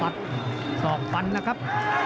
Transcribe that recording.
สอกฟันแล้วครับ